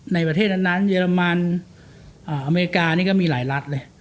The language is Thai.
ในประเทศนั้นเยอรมันอเมริกานี่ก็มีหลายรัฐเลย